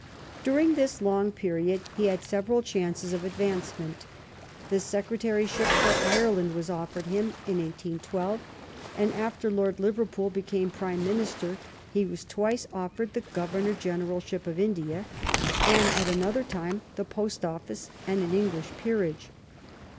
During this long period he had several chances of advancement ; the Secretary ship for Ireland was offered him in 1812, and after Lord Liverpool became Prime Minister he was twice offered the Governor Generalship of India, and at another time the Post Office and an English peerage.